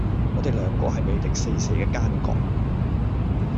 我地兩個係魅力四射既奸角